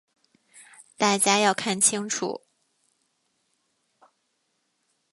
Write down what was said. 大家要看清楚。